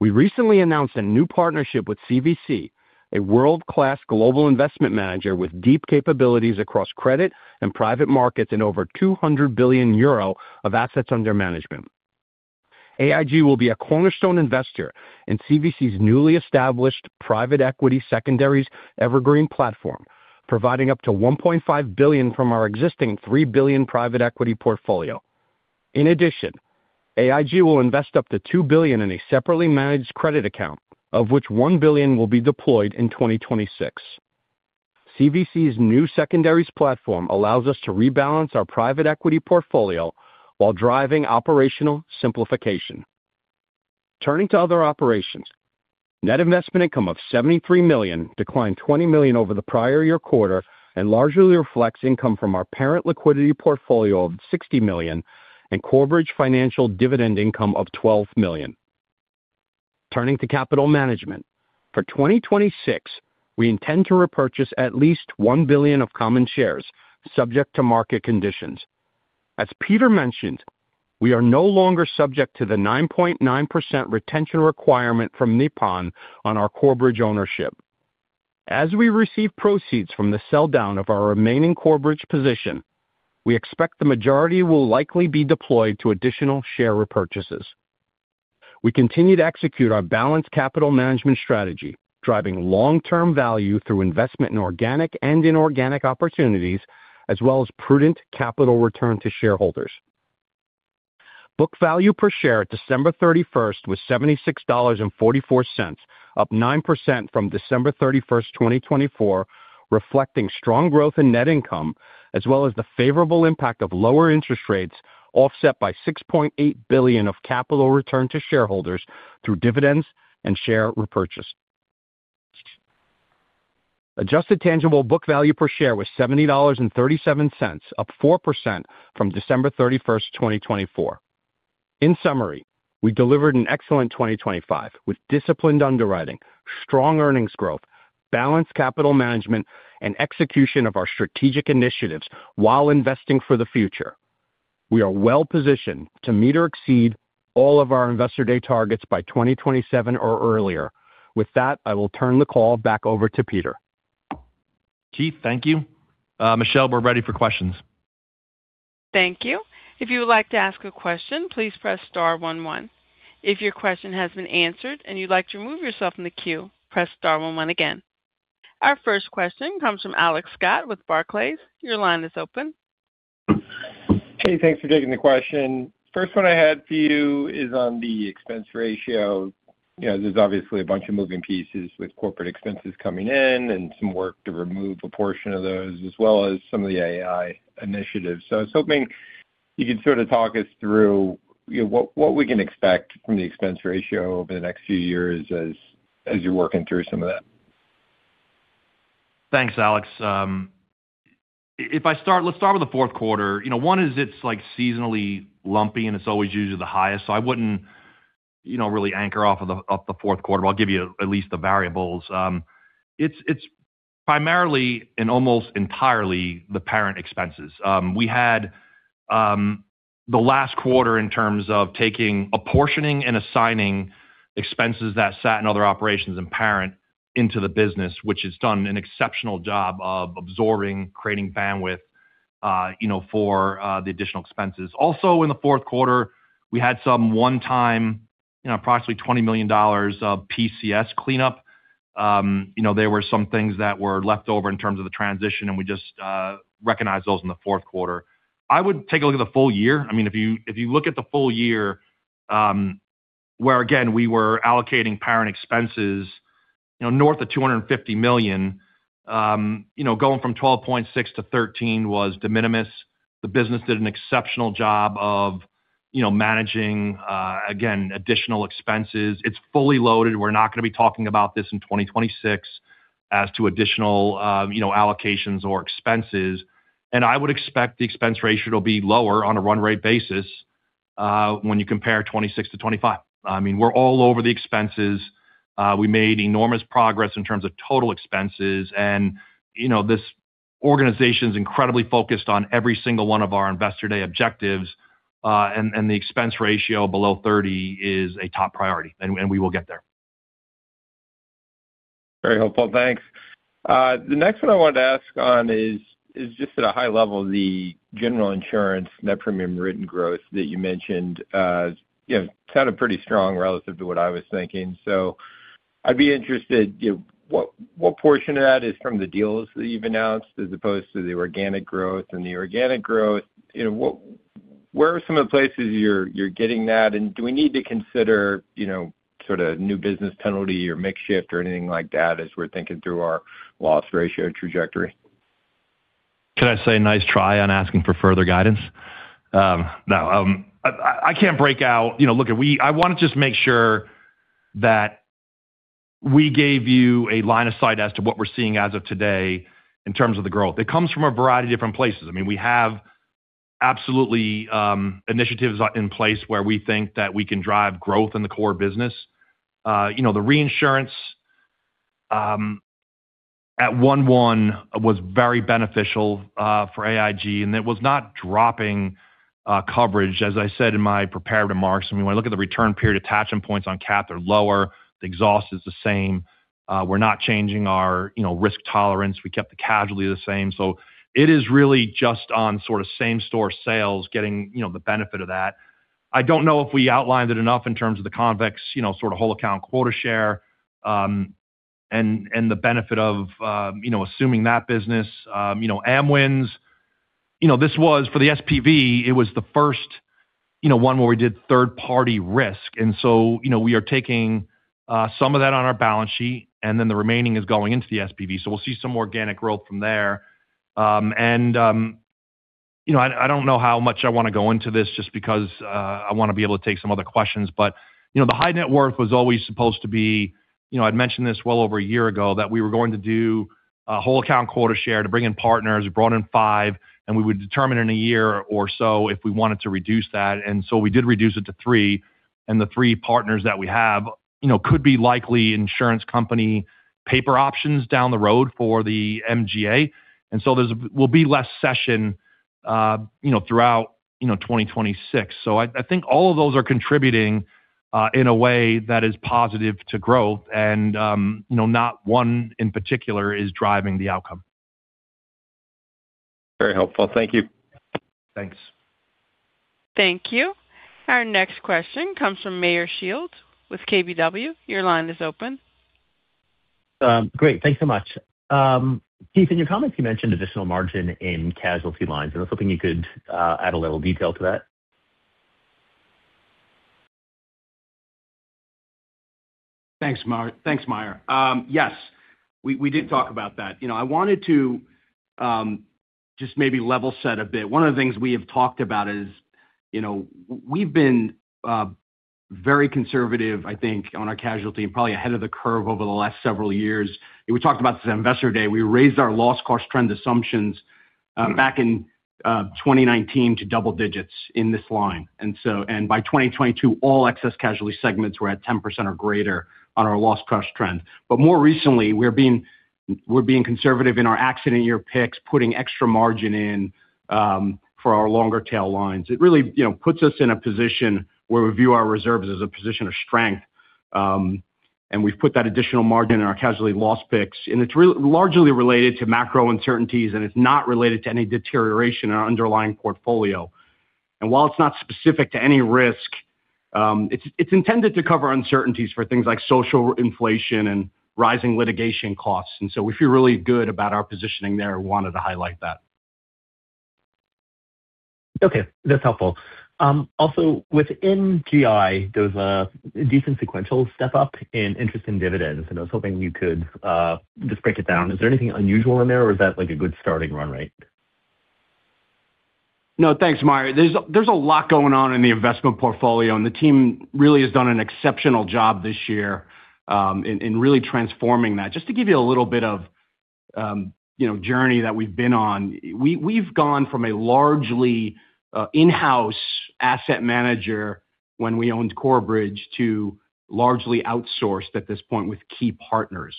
We recently announced a new partnership with CVC, a world-class global investment manager with deep capabilities across credit and private markets and over 200 billion euro of assets under management. AIG will be a cornerstone investor in CVC's newly established private equity secondaries evergreen platform, providing up to $1.5 billion from our existing $3 billion private equity portfolio. In addition, AIG will invest up to $2 billion in a separately managed credit account, of which $1 billion will be deployed in 2026. CVC's new secondaries platform allows us to rebalance our private equity portfolio while driving operational simplification. Turning to other operations. Net investment income of $73 million declined $20 million over the prior year quarter, and largely reflects income from our parent liquidity portfolio of $60 million and Corebridge Financial dividend income of $12 million. Turning to capital management. For 2026, we intend to repurchase at least $1 billion of common shares, subject to market conditions. As Peter mentioned, we are no longer subject to the 9.9% retention requirement from Nippon on our Corebridge ownership. As we receive proceeds from the sell-down of our remaining Corebridge position, we expect the majority will likely be deployed to additional share repurchases. We continue to execute our balanced capital management strategy, driving long-term value through investment in organic and inorganic opportunities, as well as prudent capital return to shareholders. Book value per share at December 31 was $76.44, up 9% from December 31, 2024, reflecting strong growth in net income, as well as the favorable impact of lower interest rates, offset by $6.8 billion of capital return to shareholders through dividends and share repurchase. Adjusted tangible book value per share was $70.37, up 4% from December 31, 2024. In summary, we delivered an excellent 2025 with disciplined underwriting, strong earnings growth, balanced capital management, and execution of our strategic initiatives while investing for the future. We are well positioned to meet or exceed all of our Investor Day targets by 2027 or earlier. With that, I will turn the call back over to Peter. Keith, thank you. Michelle, we're ready for questions. Thank you. If you would like to ask a question, please press star one, one. If your question has been answered and you'd like to remove yourself from the queue, press star one one again. Our first question comes from Alex Scott with Barclays. Your line is open. Hey, thanks for taking the question. First one I had for you is on the expense ratio. You know, there's obviously a bunch of moving pieces with corporate expenses coming in and some work to remove a portion of those, as well as some of the AI initiatives. So I was hoping you could sort of talk us through, you know, what we can expect from the expense ratio over the next few years as you're working through some of that. Thanks, Alex. Let's start with the Q4. You know, one is it's like seasonally lumpy, and it's always usually the highest, so I wouldn't, you know, really anchor off of the, off the Q4. I'll give you at least the variables. It's, it's primarily and almost entirely the parent expenses. We had, the last quarter in terms of taking, apportioning and assigning expenses that sat in other operations and parent into the business, which has done an exceptional job of absorbing, creating bandwidth, you know, for the additional expenses. Also, in the Q4, we had some one-time, you know, approximately $20 million of PCS cleanup. You know, there were some things that were left over in terms of the transition, and we just recognized those in the Q4. I would take a look at the full year. I mean, if you look at the full year, where, again, we were allocating parent expenses, you know, north of $250 million, you know, going from 12.6 to 13 was de minimis. The business did an exceptional job of, you know, managing, again, additional expenses. It's fully loaded. We're not going to be talking about this in 2026 as to additional, you know, allocations or expenses. And I would expect the expense ratio to be lower on a run rate basis, when you compare 2026 to 2025. I mean, we're all over the expenses. We made enormous progress in terms of total expenses and, you know, this organization's incredibly focused on every single one of our Investor Day objectives, and the expense ratio below 30 is a top priority, and we will get there. Very helpful, thanks. The next one I wanted to ask on is just at a high level the general insurance net premium written growth that you mentioned. You know, it sounded pretty strong relative to what I was thinking. So I'd be interested, you know, what portion of that is from the deals that you've announced as opposed to the organic growth? And the organic growth, you know, what- ... Where are some of the places you're, you're getting that? And do we need to consider, you know, sort of new business penalty or mix shift or anything like that as we're thinking through our loss ratio trajectory? Can I say nice try on asking for further guidance? No, I can't break out. You know, look, we, I want to just make sure that we gave you a line of sight as to what we're seeing as of today in terms of the growth. It comes from a variety of different places. I mean, we have absolutely initiatives in place where we think that we can drive growth in the core business. You know, the reinsurance at 1/1 was very beneficial for AIG, and it was not dropping coverage, as I said in my prepared remarks. I mean, when I look at the return period, attachment points on cap, they're lower. The exhaust is the same. We're not changing our, you know, risk tolerance. We kept the casualty the same. So it is really just on sort of same-store sales, getting, you know, the benefit of that. I don't know if we outlined it enough in terms of the Convex, you know, sort of whole account quota share, and the benefit of, you know, assuming that business, you know, Amwins, you know, this was, for the SPV, it was the first, you know, one where we did third-party risk. And so, you know, we are taking some of that on our balance sheet, and then the remaining is going into the SPV. So we'll see some organic growth from there. And, you know, I don't know how much I want to go into this just because I want to be able to take some other questions. But, you know, the High Net Worth was always supposed to be... You know, I'd mentioned this well over a year ago, that we were going to do a whole account quota share to bring in partners. We brought in 5, and we would determine in a year or so if we wanted to reduce that. And so we did reduce it to 3, and the three partners that we have, you know, could be likely insurance company paper options down the road for the MGA. And so there will be less cession, you know, throughout, you know, 2026. So I think all of those are contributing in a way that is positive to growth, and, you know, not one in particular is driving the outcome. Very helpful. Thank you. Thanks. Thank you. Our next question comes from Meyer Shields with KBW. Your line is open. Great. Thanks so much. Keith, in your comments, you mentioned additional margin in casualty lines, and I was hoping you could add a little detail to that. Thanks, Meyer. Yes, we did talk about that. You know, I wanted to just maybe level set a bit. One of the things we have talked about is, you know, we've been very conservative, I think, on our casualty and probably ahead of the curve over the last several years. We talked about this at Investor Day. We raised our loss cost trend assumptions back in 2019 to double digits in this line. And so, by 2022, all excess casualty segments were at 10% or greater on our loss cost trend. But more recently, we're being conservative in our accident year picks, putting extra margin in for our longer tail lines. It really, you know, puts us in a position where we view our reserves as a position of strength, and we've put that additional margin in our casualty loss picks. And it's really largely related to macro uncertainties, and it's not related to any deterioration in our underlying portfolio. And while it's not specific to any risk, it's, it's intended to cover uncertainties for things like social inflation and rising litigation costs. And so we feel really good about our positioning there, wanted to highlight that. Okay, that's helpful. Also within GI, there was a decent sequential step up in interest and dividends, and I was hoping you could just break it down. Is there anything unusual in there, or is that, like, a good starting run rate? No, thanks, Meyer. There's a lot going on in the investment portfolio, and the team really has done an exceptional job this year in really transforming that. Just to give you a little bit of, you know, journey that we've been on, we've gone from a largely in-house asset manager when we owned Corebridge, to largely outsourced at this point with key partners.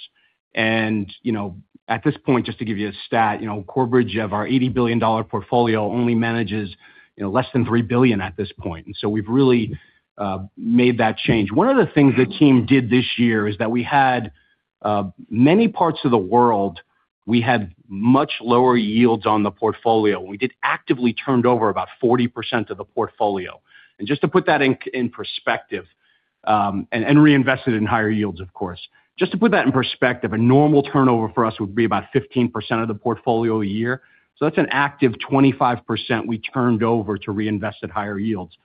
And, you know, at this point, just to give you a stat, you know, Corebridge, of our $80 billion portfolio, only manages, you know, less than $3 billion at this point. And so we've really made that change. One of the things the team did this year is that we had many parts of the world, we had much lower yields on the portfolio. We did actively turned over about 40% of the portfolio. Just to put that in perspective, a normal turnover for us would be about 15% of the portfolio a year, so that's an active 25% we turned over to reinvest at higher yields.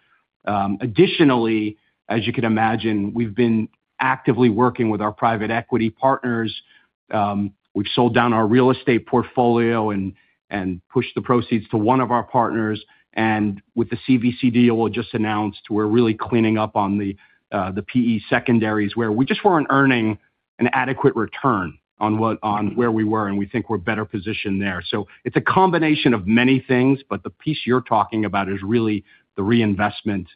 Additionally, as you can imagine, we've been actively working with our private equity partners, we've sold down our real estate portfolio and pushed the proceeds to one of our partners, and with the CVC deal we just announced, we're really cleaning up on the PE secondaries, where we just weren't earning an adequate return on where we were, and we think we're better positioned there. So it's a combination of many things, but the piece you're talking about is really the reinvestment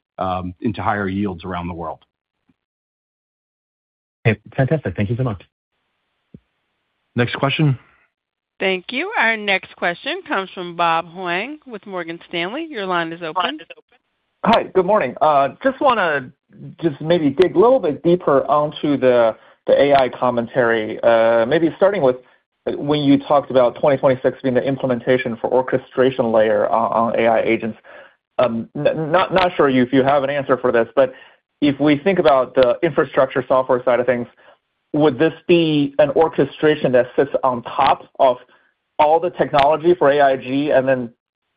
into higher yields around the world. Okay, fantastic. Thank you so much. Next question? Thank you. Our next question comes from Bob Huang with Morgan Stanley. Your line is open. Hi, good morning. Just wanna just maybe dig a little bit deeper onto the, the AI commentary, maybe starting with when you talked about 2026 being the implementation for orchestration layer on AI agents. Not sure if you have an answer for this, but if we think about the infrastructure software side of things, would this be an orchestration that sits on top of all the technology for AIG and then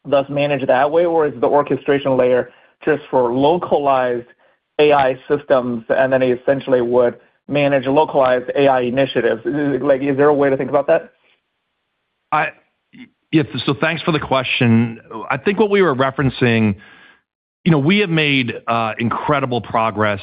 thus manage that way? Or is the orchestration layer just for localized AI systems, and then they essentially would manage localized AI initiatives? Like, is there a way to think about that? Yes, so thanks for the question. I think what we were referencing, you know, we have made incredible progress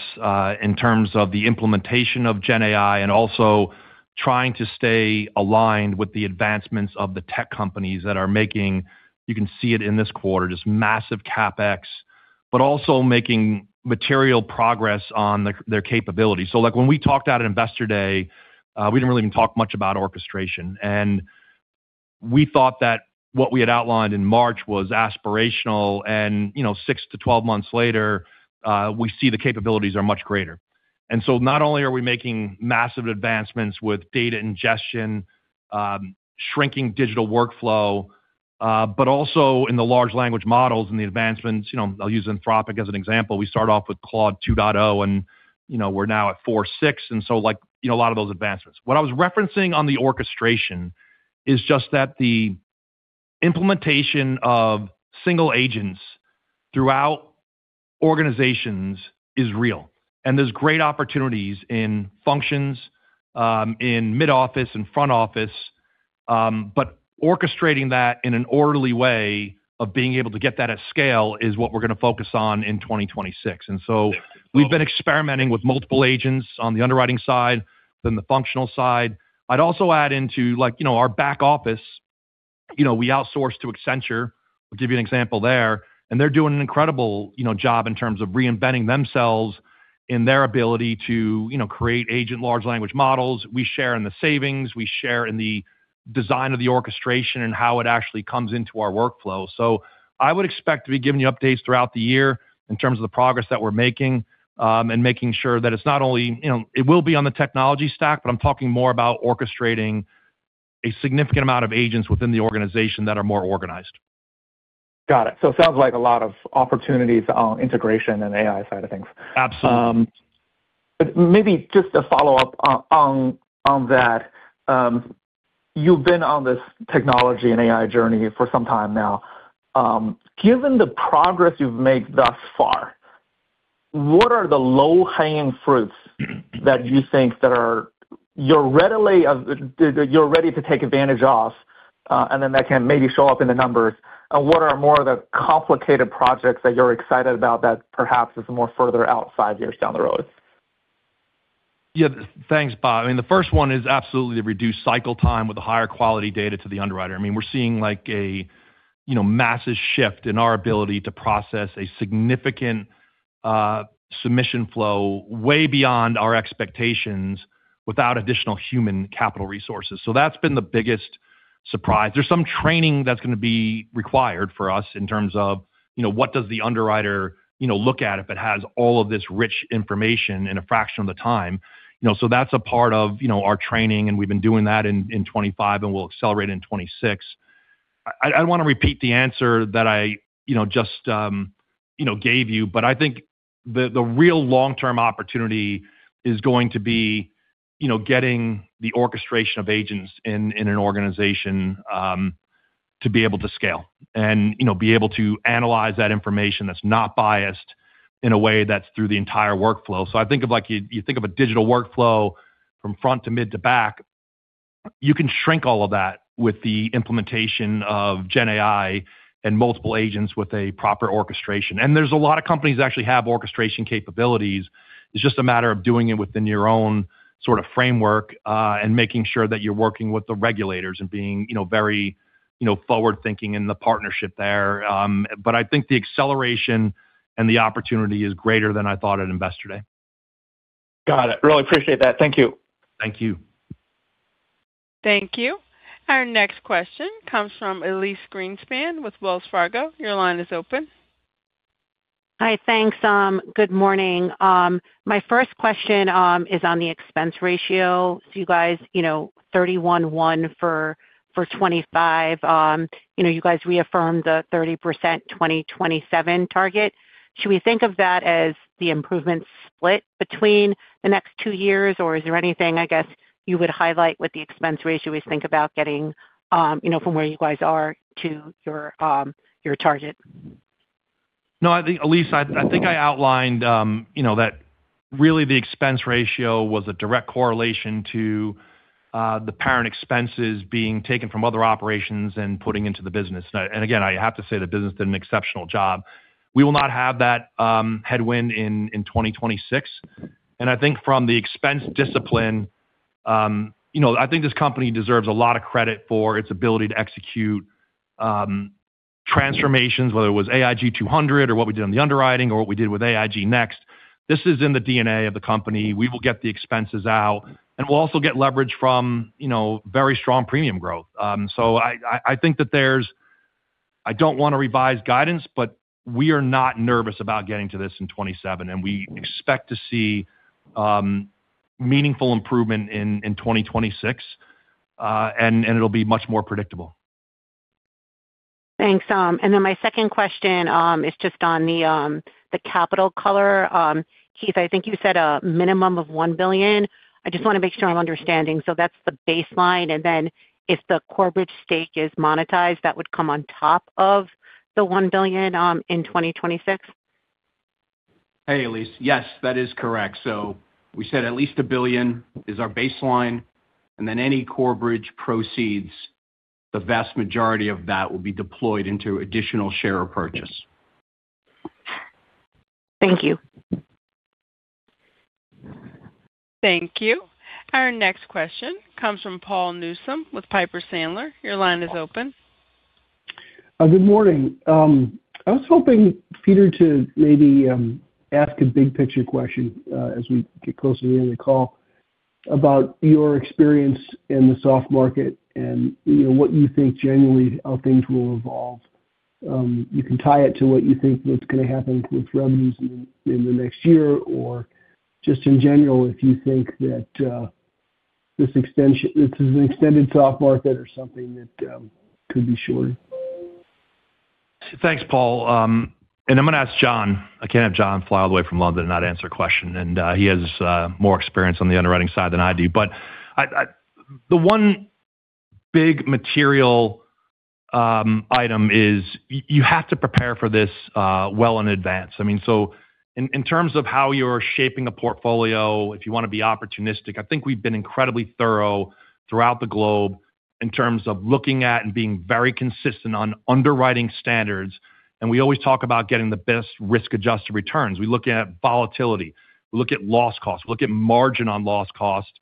in terms of the implementation of GenAI and also trying to stay aligned with the advancements of the tech companies that are making... You can see it in this quarter, just massive CapEx, but also making material progress on their, their capability. So, like, when we talked at Investor Day, we didn't really even talk much about orchestration. And we thought that what we had outlined in March was aspirational and, you know, 6-12 months later, we see the capabilities are much greater. And so not only are we making massive advancements with data ingestion, shrinking digital workflow, but also in the large language models and the advancements, you know, I'll use Anthropic as an example. We started off with Claude 2.0, and, you know, we're now at 4.6, and so, like, you know, a lot of those advancements. What I was referencing on the orchestration is just that the implementation of single agents throughout organizations is real, and there's great opportunities in functions, in mid-office and front office. But orchestrating that in an orderly way of being able to get that at scale is what we're going to focus on in 2026. And so we've been experimenting with multiple agents on the underwriting side, then the functional side. I'd also add into, like, you know, our back office, you know, we outsource to Accenture. I'll give you an example there, and they're doing an incredible, you know, job in terms of reinventing themselves in their ability to, you know, create agent large language models. We share in the savings, we share in the design of the orchestration and how it actually comes into our workflow. So I would expect to be giving you updates throughout the year in terms of the progress that we're making, and making sure that it's not only, you know, it will be on the technology stack, but I'm talking more about orchestrating a significant amount of agents within the organization that are more organized. Got it. So it sounds like a lot of opportunities on integration and AI side of things. Absolutely. But maybe just a follow-up on that. You've been on this technology and AI journey for some time now. Given the progress you've made thus far, what are the low-hanging fruits that you think that you're ready to take advantage of, and then that can maybe show up in the numbers? And what are more of the complicated projects that you're excited about that perhaps is more further out, five years down the road? Yeah. Thanks, Bob. I mean, the first one is absolutely to reduce cycle time with a higher quality data to the underwriter. I mean, we're seeing like a, you know, massive shift in our ability to process a significant submission flow way beyond our expectations, without additional human capital resources. So that's been the biggest surprise. There's some training that's going to be required for us in terms of, you know, what does the underwriter, you know, look at if it has all of this rich information in a fraction of the time? You know, so that's a part of, you know, our training, and we've been doing that in 2025, and we'll accelerate in 2026. I don't want to repeat the answer that I, you know, just you know gave you, but I think the real long-term opportunity is going to be, you know, getting the orchestration of agents in an organization to be able to scale and, you know, be able to analyze that information that's not biased in a way that's through the entire workflow. So I think of, like, you think of a digital workflow from front to mid to back, you can shrink all of that with the implementation of GenAI and multiple agents with a proper orchestration. And there's a lot of companies that actually have orchestration capabilities. It's just a matter of doing it within your own sort of framework and making sure that you're working with the regulators and being, you know, very you know forward-thinking in the partnership there. But I think the acceleration and the opportunity is greater than I thought at Investor Day. Got it. Really appreciate that. Thank you. Thank you. Thank you. Our next question comes from Elise Greenspan with Wells Fargo. Your line is open. Hi, thanks. Good morning. My first question is on the expense ratio. So you guys, you know, 31.1 for 2025, you know, you guys reaffirmed the 30% 2027 target. Should we think of that as the improvement split between the next two years, or is there anything, I guess, you would highlight with the expense ratio we think about getting, you know, from where you guys are to your target? No, I think, Elise, I think I outlined, you know, that really the expense ratio was a direct correlation to, the parent expenses being taken from other operations and putting into the business. And again, I have to say, the business did an exceptional job. We will not have that, headwind in, in 2026, and I think from the expense discipline, you know, I think this company deserves a lot of credit for its ability to execute, transformations, whether it was AIG 200 or what we did on the underwriting or what we did with AIG Next. This is in the DNA of the company. We will get the expenses out, and we'll also get leverage from, you know, very strong premium growth. So, I think that there's, I don't want to revise guidance, but we are not nervous about getting to this in 2027, and we expect to see meaningful improvement in 2026, and it'll be much more predictable. ... Thanks. And then my second question is just on the, the capital color. Keith, I think you said a minimum of $1 billion. I just want to make sure I'm understanding. So that's the baseline, and then if the Corebridge stake is monetized, that would come on top of the $1 billion in 2026? Hey, Elise. Yes, that is correct. So we said at least $1 billion is our baseline, and then any Corebridge proceeds, the vast majority of that will be deployed into additional share or purchase. Thank you. Thank you. Our next question comes from Paul Newsome with Piper Sandler. Your line is open. Good morning. I was hoping, Peter, to maybe ask a big-picture question as we get closer to the end of the call, about your experience in the soft market and, you know, what you think generally how things will evolve. You can tie it to what you think is going to happen with revenues in the next year or just in general, if you think that this is an extended soft market or something that could be short. Thanks, Paul. And I'm going to ask Jon. I can't have Jon fly all the way from London and not answer a question, and he has more experience on the underwriting side than I do. But I... The one big material item is you have to prepare for this well in advance. I mean, so in terms of how you're shaping a portfolio, if you want to be opportunistic, I think we've been incredibly thorough throughout the globe in terms of looking at and being very consistent on underwriting standards, and we always talk about getting the best risk-adjusted returns. We look at volatility, we look at loss costs, we look at margin on loss cost,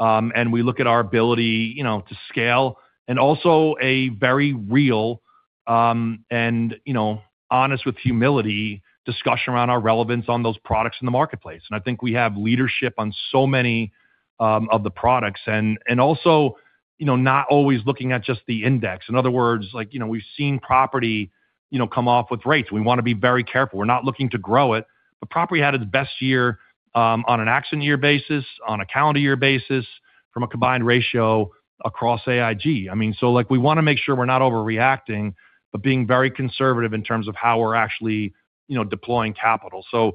and we look at our ability, you know, to scale, and also a very real, and, you know, honest with humility, discussion around our relevance on those products in the marketplace. And I think we have leadership on so many of the products and, and also, you know, not always looking at just the index. In other words, like, you know, we've seen property, you know, come off with rates. We want to be very careful. We're not looking to grow it, but property had its best year, on an accident year basis, on a calendar year basis, from a combined ratio across AIG. I mean, so, like, we want to make sure we're not overreacting, but being very conservative in terms of how we're actually, you know, deploying capital. So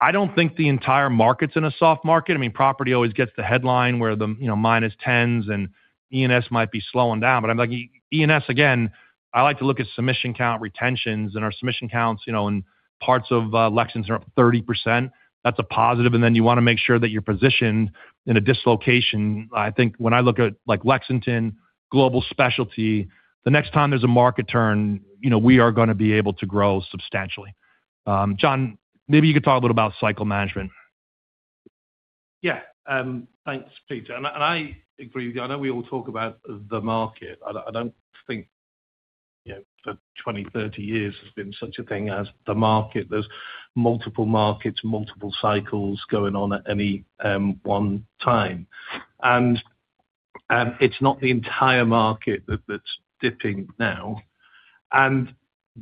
I don't think the entire market's in a soft market. I mean, property always gets the headline where the, you know, minus tens and E&S might be slowing down. But I'm like, E&S, again, I like to look at submission count retentions and our submission counts, you know, in parts of Lexington are up 30%. That's a positive, and then you want to make sure that you're positioned in a dislocation. I think when I look at, like, Lexington, Global Specialty, the next time there's a market turn, you know, we are going to be able to grow substantially. Jon, maybe you could talk a little about cycle management. Yeah, thanks, Peter. And I agree with you. I know we all talk about the market. I don't think, you know, for 20, 30 years, there's been such a thing as the market. There's multiple markets, multiple cycles going on at any one time. And it's not the entire market that's dipping now, and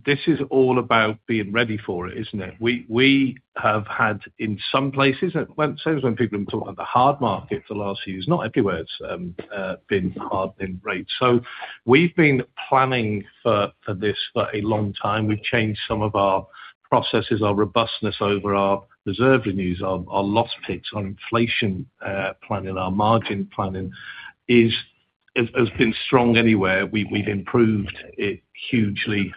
this is all about being ready for it, isn't it? We have had, in some places, when... So when people talk about the hard market for the last few years, not everywhere it's been hard in rates. So we've been planning for this for a long time. We've changed some of our processes, our robustness over our reserve reviews, our loss picks, on inflation planning, our margin planning has been strong anywhere. We've improved it hugely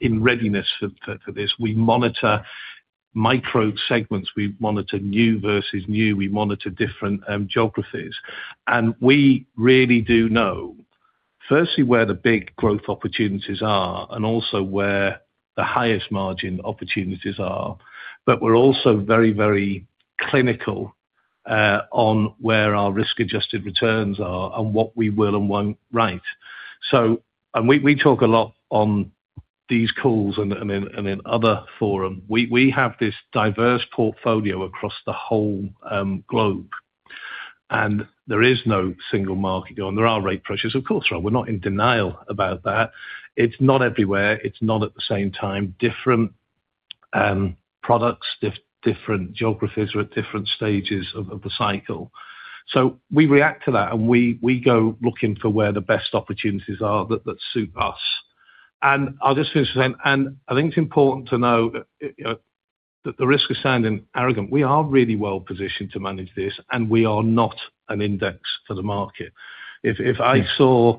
in readiness for this. We monitor micro segments, we monitor new versus new, we monitor different geographies, and we really do know firstly where the big growth opportunities are and also where the highest margin opportunities are. But we're also very, very clinical on where our risk-adjusted returns are and what we will and won't write. So... and we talk a lot on these calls and in other forum. We have this diverse portfolio across the whole globe, and there is no single market going. There are rate pressures, of course. We're not in denial about that. It's not everywhere, it's not at the same time. Different products, different geographies are at different stages of the cycle. So we react to that, and we go looking for where the best opportunities are that suit us. And I'll just finish then. And I think it's important to know that, you know, the risk of sounding arrogant, we are really well positioned to manage this, and we are not an index for the market. If I saw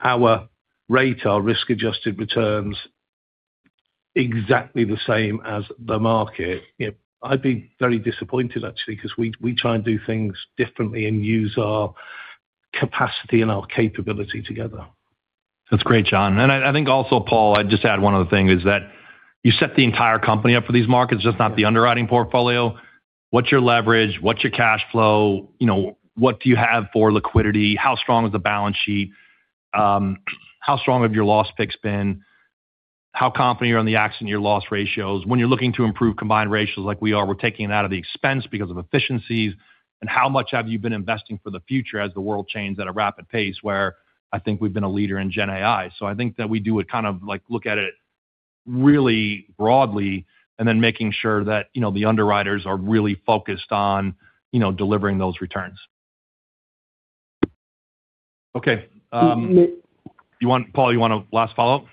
our rate, our risk-adjusted returns exactly the same as the market, you know, I'd be very disappointed actually, because we try and do things differently and use our capacity and our capability together. That's great, Jon. And I, I think also, Paul, I'd just add one other thing, is that you set the entire company up for these markets, just not the underwriting portfolio. What's your leverage? What's your cash flow? You know, what do you have for liquidity? How strong is the balance sheet? How strong have your loss picks been? How confident are you on the accident year loss ratios? When you're looking to improve combined ratios like we are, we're taking it out of the expense because of efficiencies. And how much have you been investing for the future as the world changes at a rapid pace, where I think we've been a leader in Gen AI. So I think that we do a kind of, like, look at it really broadly and then making sure that, you know, the underwriters are really focused on, you know, delivering those returns. Okay, you want, Paul, you want a last follow-up?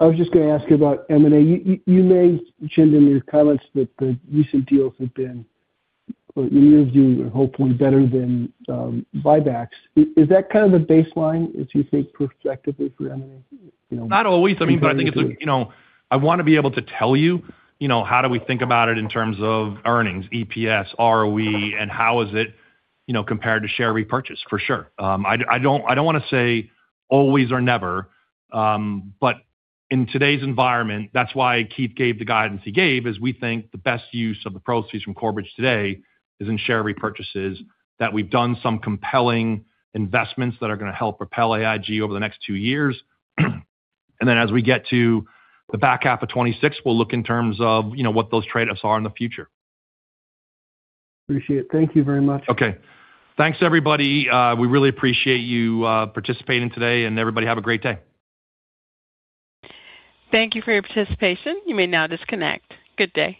I was just going to ask you about M&A. You mentioned in your comments that the recent deals have been, or you view or hope were better than, buybacks. Is that kind of the baseline, as you think, prospectively for M&A? You know- Not always. I mean, but I think it's, you know, I want to be able to tell you, you know, how do we think about it in terms of earnings, EPS, ROE, and how is it, you know, compared to share repurchase, for sure. I don't want to say always or never, but in today's environment, that's why Keith gave the guidance he gave, is we think the best use of the proceeds from Corebridge today is in share repurchases, that we've done some compelling investments that are going to help propel AIG over the next two years. And then as we get to the back half of 2026, we'll look in terms of, you know, what those trade-offs are in the future. Appreciate it. Thank you very much. Okay. Thanks, everybody. We really appreciate you participating today, and everybody have a great day. Thank you for your participation. You may now disconnect. Good day.